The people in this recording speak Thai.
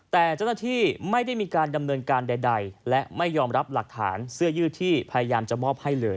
แต่เจ้าหน้าที่ไม่ได้มีการดำเนินการใดและไม่ยอมรับหลักฐานเสื้อยืดที่พยายามจะมอบให้เลย